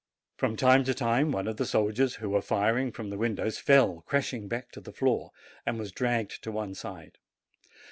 From time to time one of the soldiers who were firing from the windows fell crashing back to the floor, and was dragged to one side.